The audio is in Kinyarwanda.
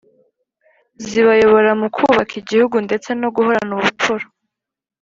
zibayobora mu kubaka igihugu ndetse no guhorana ubupfura.